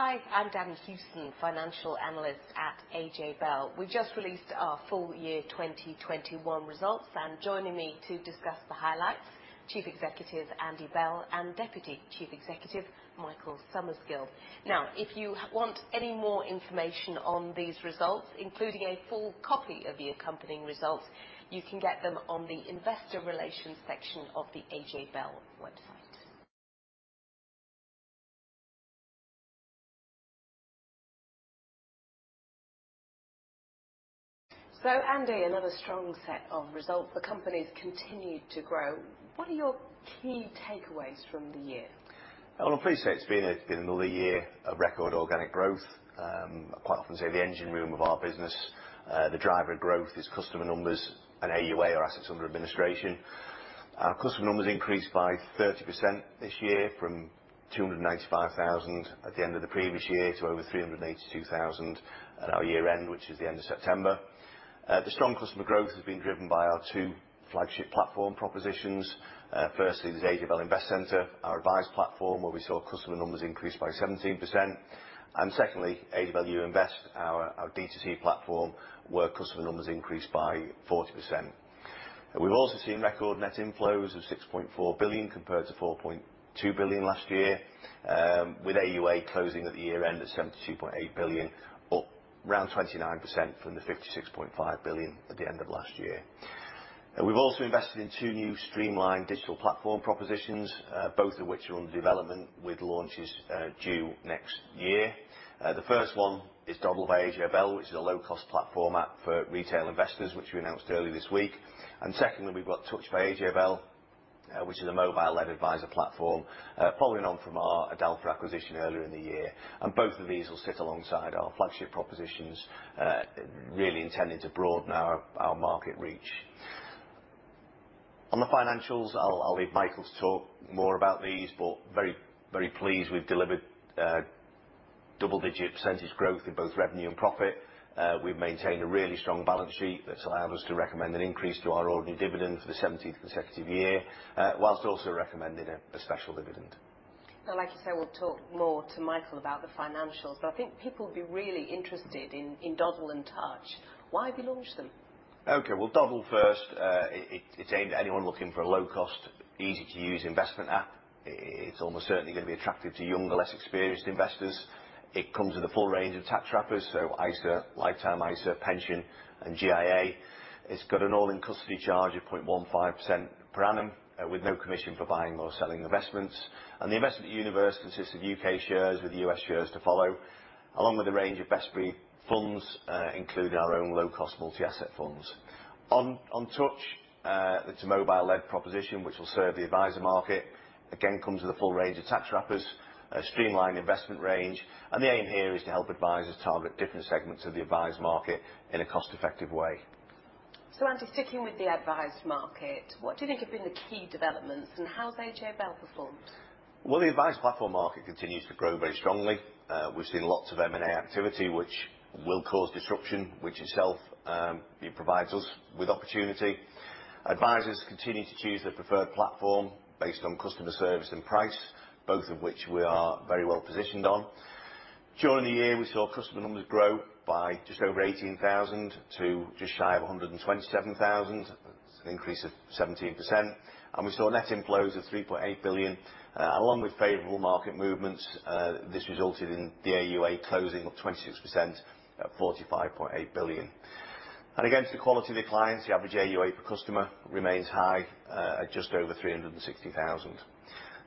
Hi, I'm Danni Hewson, Financial Analyst at AJ Bell. We've just released our full year 2021 results, and joining me to discuss the highlights, Chief Executive Andy Bell and Deputy Chief Executive Michael Summersgill. Now, if you want any more information on these results, including a full copy of the accompanying results, you can get them on the investor relations section of the AJ Bell website. Andy, another strong set of results. The company's continued to grow. What are your key takeaways from the year? Well, I'm pleased to say it's been another year of record organic growth. I quite often say the engine room of our business, the driver of growth is customer numbers and AUA, our Assets Under Administration. Our customer numbers increased by 30% this year from 295,000 at the end of the previous year to over 382,000 at our year-end, which is the end of September. The strong customer growth has been driven by our two flagship platform propositions. Firstly, the AJ Bell Investcentre, our advised platform, where we saw customer numbers increase by 17%. Secondly, AJ Bell Youinvest, our D2C platform, where customer numbers increased by 40%. We've also seen record net inflows of 6.4 billion compared to 4.2 billion last year, with AUA closing at the year-end at 72.8 billion, up around 29% from the 56.5 billion at the end of last year. We've also invested in two new streamlined digital platform propositions, both of which are under development with launches due next year. The first one is Dodl by AJ Bell, which is a low-cost platform app for retail investors, which we announced earlier this week. Secondly, we've got Touch by AJ Bell, which is a mobile-led advisor platform, following on from our Adalpha acquisition earlier in the year. Both of these will sit alongside our flagship propositions, really intended to broaden our market reach. On the financials, I'll leave Michael to talk more about these, but very, very pleased we've delivered double-digit % growth in both revenue and profit. We've maintained a really strong balance sheet that allowed us to recommend an increase to our ordinary dividend for the seventeenth consecutive year, whilst also recommending a special dividend. Now, like you say, we'll talk more to Michael about the financials, but I think people will be really interested in Dodl and Touch. Why have you launched them? Okay. Well, Dodl first, it's aimed at anyone looking for a low-cost, easy-to-use investment app. It's almost certainly gonna be attractive to younger, less experienced investors. It comes with a full range of tax wrappers, so ISA, Lifetime ISA, Pension and GIA. It's got an all-in custody charge of 0.15% per annum, with no commission for buying or selling investments. The investment universe consists of UK shares, with US shares to follow, along with a range of best free funds, including our own low-cost multi-asset funds. On Touch, it's a mobile-led proposition which will serve the advisor market. Again, comes with a full range of tax wrappers, a streamlined investment range, and the aim here is to help advisors target different segments of the advised market in a cost-effective way. Andy, sticking with the advised market, what do you think have been the key developments, and how's AJ Bell performed? Well, the advised platform market continues to grow very strongly. We've seen lots of M&A activity which will cause disruption, which itself, it provides us with opportunity. Advisors continue to choose their preferred platform based on customer service and price, both of which we are very well positioned on. During the year, we saw customer numbers grow by just over 18,000 to just shy of 127,000. It's an increase of 17%. We saw net inflows of 3.8 billion. Along with favorable market movements, this resulted in the AUA closing up 26% at 45.8 billion. Again, to the quality of the clients, the average AUA per customer remains high, at just over 360,000.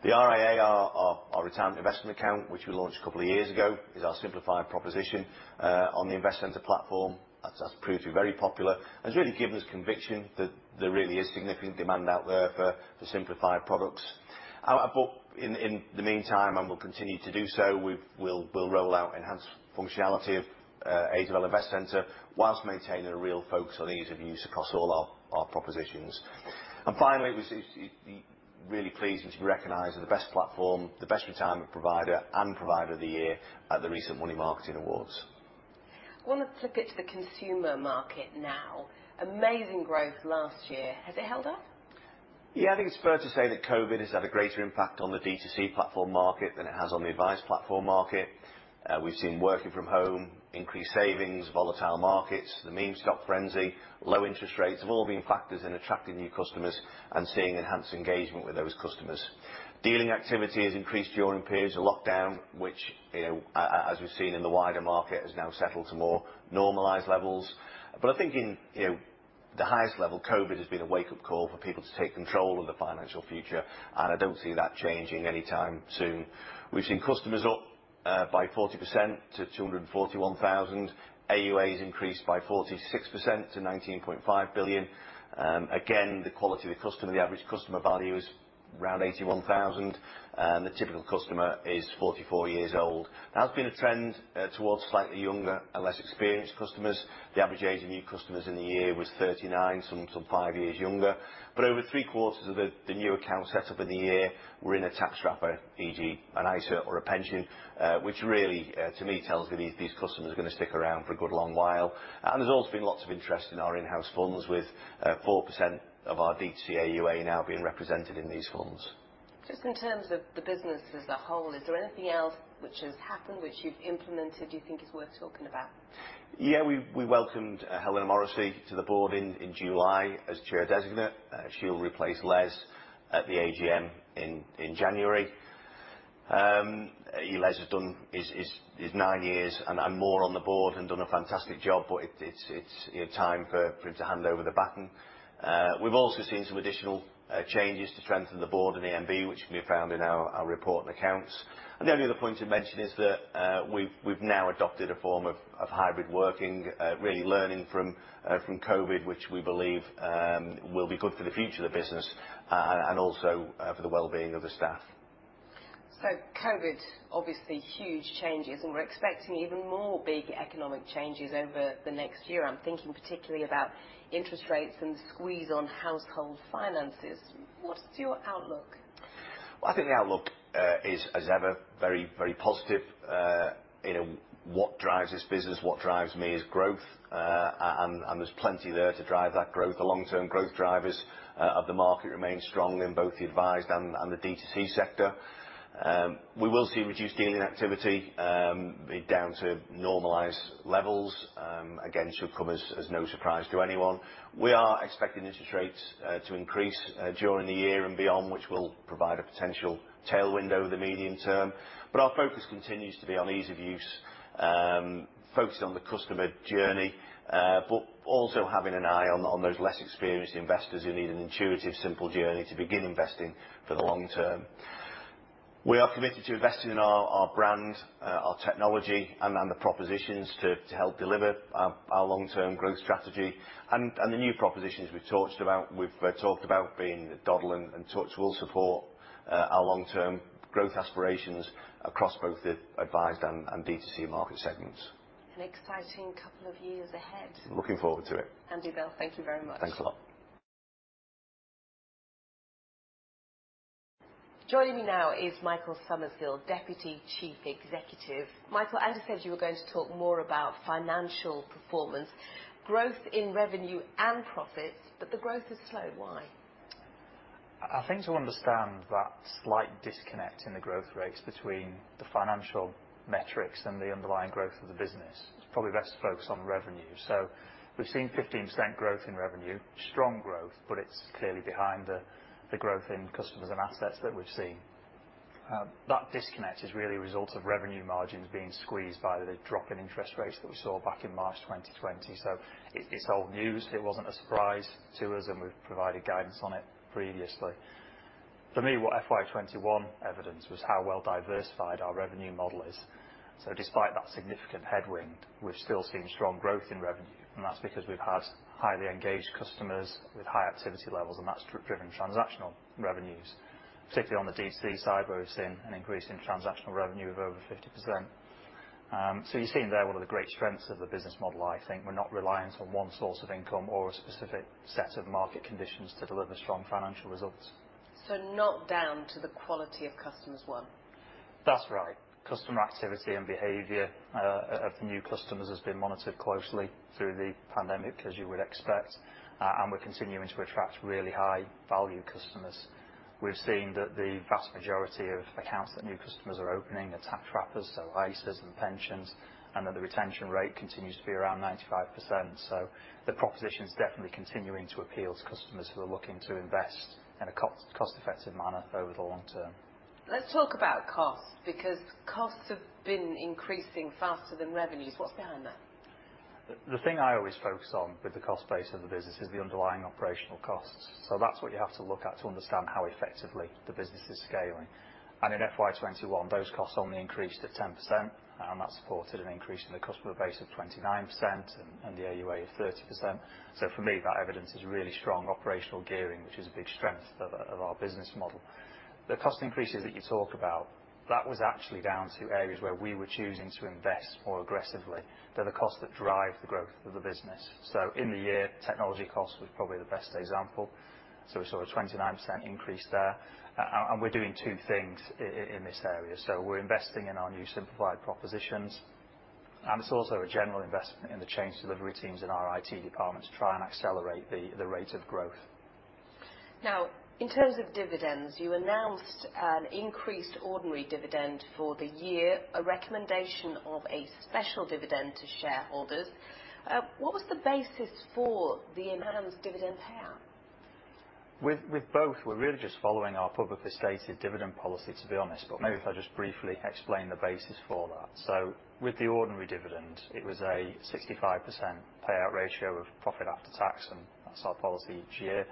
The RIA, our Retirement Investment Account, which we launched a couple of years ago, is our simplified proposition on the Investcentre platform. That's proved to be very popular and it's really given us conviction that there really is significant demand out there for the simplified products. But in the meantime, we'll continue to do so, we'll roll out enhanced functionality of AJ Bell Investcentre whilst maintaining a real focus on ease of use across all our propositions. Finally, we're really pleased to be recognized as the best platform, the best retirement provider and provider of the year at the recent Money Marketing Awards. I wanna flip it to the consumer market now. Amazing growth last year. Has it held up? Yeah. I think it's fair to say that COVID has had a greater impact on the D2C platform market than it has on the advised platform market. We've seen working from home, increased savings, volatile markets, the meme stock frenzy, low interest rates have all been factors in attracting new customers and seeing enhanced engagement with those customers. Dealing activity has increased during periods of lockdown, which, as we've seen in the wider market, has now settled to more normalized levels. I think in, you know, the highest level, COVID has been a wake-up call for people to take control of their financial future, and I don't see that changing anytime soon. We've seen customers up by 40% to 241,000. AUA has increased by 46% to 19.5 billion. Again, the quality of the customer, the average customer value is around 81,000, and the typical customer is 44 years old. Now, there's been a trend towards slightly younger and less experienced customers. The average age of new customers in the year was 39, some five years younger. Over three-quarters of the new accounts set up in the year were in a tax wrapper, e.g. an ISA or a pension, which really to me tells me these customers are gonna stick around for a good long while. There's also been lots of interest in our in-house funds, with 4% of our D2C AUA now being represented in these funds. Just in terms of the business as a whole, is there anything else which has happened, which you've implemented, you think is worth talking about? Yeah. We welcomed Helena Morrissey to the board in July as Chair Designate. She'll replace Les at the AGM in January. Les has done his nine years and more on the board and done a fantastic job, but it's, you know, time for him to hand over the baton. We've also seen some additional changes to strengthen the board and EMB, which can be found in our report and accounts. The only other point to mention is that we've now adopted a form of hybrid working, really learning from COVID, which we believe will be good for the future of the business and also for the well-being of the staff. COVID, obviously huge changes, and we're expecting even more big economic changes over the next year. I'm thinking particularly about interest rates and the squeeze on household finances. What's your outlook? I think the outlook is, as ever, very, very positive. You know, what drives this business, what drives me is growth. And there's plenty there to drive that growth. The long-term growth drivers of the market remain strong in both the advised and the D2C sector. We will see reduced dealing activity down to normalized levels. Again, should come as no surprise to anyone. We are expecting interest rates to increase during the year and beyond, which will provide a potential tailwind over the medium term. Our focus continues to be on ease of use, focusing on the customer journey, but also having an eye on those less experienced investors who need an intuitive, simple journey to begin investing for the long term. We are committed to investing in our brand, our technology and the propositions to help deliver our long-term growth strategy. The new propositions we've talked about being Dodl and Touch will support our long-term growth aspirations across both the advised and D2C market segments. An exciting couple of years ahead. Looking forward to it. Andy Bell, thank you very much. Thanks a lot. Joining me now is Michael Summersgill, Deputy Chief Executive. Michael, as I said you were going to talk more about financial performance, growth in revenue and profits. The growth is slow. Why? I think to understand that slight disconnect in the growth rates between the financial metrics and the underlying growth of the business, it's probably best to focus on revenue. We've seen 15% growth in revenue, strong growth, but it's clearly behind the growth in customers and assets that we've seen. That disconnect is really a result of revenue margins being squeezed by the drop in interest rates that we saw back in March 2020. It's old news. It wasn't a surprise to us, and we've provided guidance on it previously. For me, what FY 2021 evidenced was how well diversified our revenue model is. Despite that significant headwind, we've still seen strong growth in revenue, and that's because we've had highly engaged customers with high activity levels, and that's driven transactional revenues. Particularly on the D2C side, where we've seen an increase in transactional revenue of over 50%. You're seeing there one of the great strengths of the business model, I think. We're not reliant on one source of income or a specific set of market conditions to deliver strong financial results. So not down to the quality of customers won. That's right. Customer activity and behavior of new customers has been monitored closely through the pandemic, as you would expect. We're continuing to attract really high value customers. We've seen that the vast majority of accounts that new customers are opening are tax wrappers, so ISAs and pensions, and that the retention rate continues to be around 95%. The proposition is definitely continuing to appeal to customers who are looking to invest in a cost-effective manner over the long term. Let's talk about costs, because costs have been increasing faster than revenues. What's behind that? The thing I always focus on with the cost base of the business is the underlying operational costs. That's what you have to look at to understand how effectively the business is scaling. In FY 2021, those costs only increased at 10%, and that supported an increase in the customer base of 29% and the AUA of 30%. For me, that evidence is really strong operational gearing, which is a big strength of our business model. The cost increases that you talk about, that was actually down to areas where we were choosing to invest more aggressively. They're the costs that drive the growth of the business. In the year, technology cost was probably the best example. We saw a 29% increase there. And we're doing two things in this area. We're investing in our new simplified propositions, and it's also a general investment in the change delivery teams in our IT department to try and accelerate the rate of growth. Now, in terms of dividends, you announced an increased ordinary dividend for the year, a recommendation of a special dividend to shareholders. What was the basis for the enhanced dividend payout? With both, we're really just following our publicly stated dividend policy, to be honest. Maybe if I just briefly explain the basis for that. With the ordinary dividend, it was a 65% payout ratio of profit after tax, and that's our policy each year.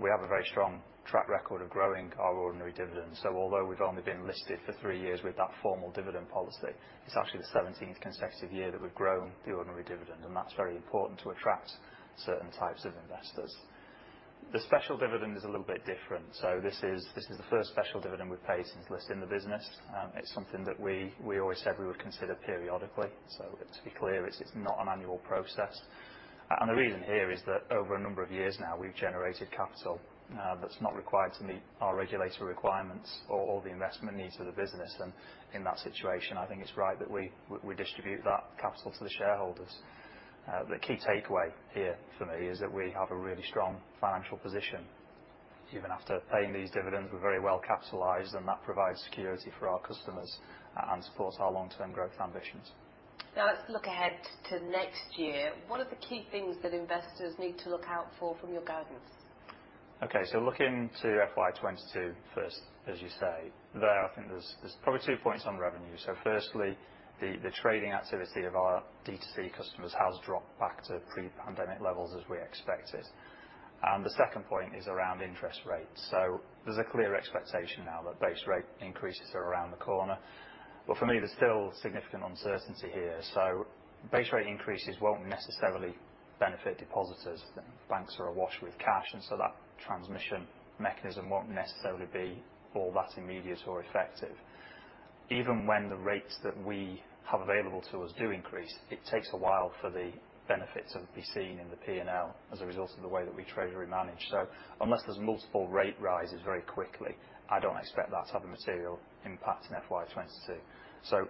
We have a very strong track record of growing our ordinary dividend. Although we've only been listed for three years with that formal dividend policy, it's actually the 17th consecutive year that we've grown the ordinary dividend, and that's very important to attract certain types of investors. The special dividend is a little bit different. This is the first special dividend we've paid since listing the business. It's something that we always said we would consider periodically. To be clear, it's not an annual process. The reason here is that over a number of years now, we've generated capital that's not required to meet our regulatory requirements or the investment needs of the business. In that situation, I think it's right that we distribute that capital to the shareholders. The key takeaway here for me is that we have a really strong financial position. Even after paying these dividends, we're very well capitalized, and that provides security for our customers and supports our long-term growth ambitions. Now let's look ahead to next year. What are the key things that investors need to look out for from your guidance? Okay, looking to FY 2022 first, as you say, there I think there's probably two points on revenue. Firstly, the trading activity of our D2C customers has dropped back to pre-pandemic levels as we expected. The second point is around interest rates. There's a clear expectation now that base rate increases are around the corner. For me, there's still significant uncertainty here. Base rate increases won't necessarily benefit depositors. Banks are awash with cash, and so that transmission mechanism won't necessarily be all that immediate or effective. Even when the rates that we have available to us do increase, it takes a while for the benefits of it to be seen in the P&L as a result of the way that we treasury manage. Unless there's multiple rate rises very quickly, I don't expect that to have a material impact in FY 2022.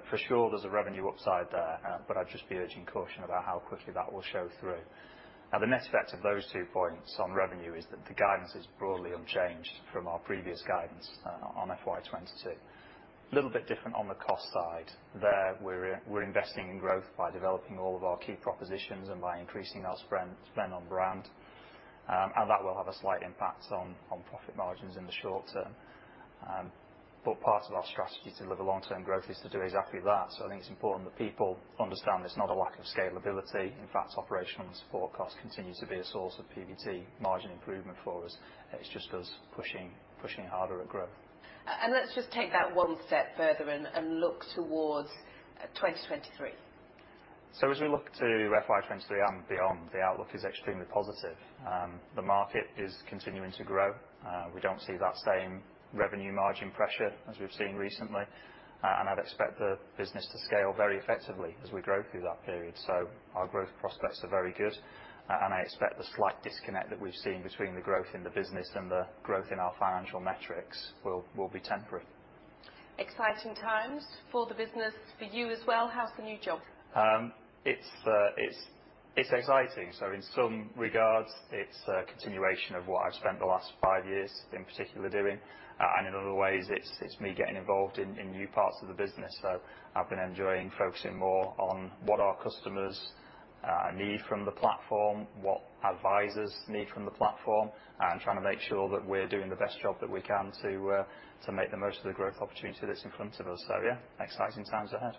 For sure there's a revenue upside there, but I'd just be urging caution about how quickly that will show through. Now, the net effect of those two points on revenue is that the guidance is broadly unchanged from our previous guidance on FY 2022. Little bit different on the cost side. There, we're investing in growth by developing all of our key propositions and by increasing our spend on brand. That will have a slight impact on profit margins in the short term. Part of our strategy to deliver long-term growth is to do exactly that. I think it's important that people understand it's not a lack of scalability. In fact, operational support costs continue to be a source of PBT margin improvement for us. It's just us pushing harder at growth. Let's just take that one step further and look towards 2023. As we look to FY 2023 and beyond, the outlook is extremely positive. The market is continuing to grow. We don't see that same revenue margin pressure as we've seen recently. I'd expect the business to scale very effectively as we grow through that period. Our growth prospects are very good. I expect the slight disconnect that we've seen between the growth in the business and the growth in our financial metrics will be temporary. Exciting times for the business. For you as well. How's the new job? It's exciting. In some regards, it's a continuation of what I've spent the last five years in particular doing. In other ways, it's me getting involved in new parts of the business. I've been enjoying focusing more on what our customers need from the platform, what advisors need from the platform, and trying to make sure that we're doing the best job that we can to make the most of the growth opportunity that's in front of us. Yeah, exciting times ahead.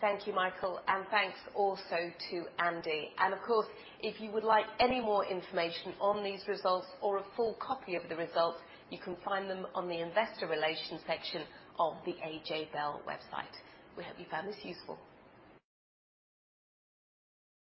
Thank you, Michael, and thanks also to Andy. Of course, if you would like any more information on these results or a full copy of the results, you can find them on the investor relations section of the AJ Bell website. We hope you found this useful.